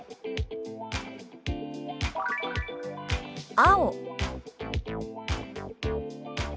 「青」。